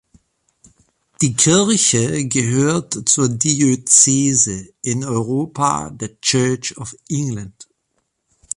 Die Kirche gehört zur Diözese in Europa der Church of England.